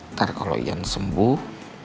ntar kalau iyan sembuh